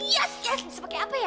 yes yes bisa pakai apa ya